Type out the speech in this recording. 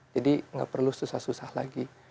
jadi gak perlu susah susah lagi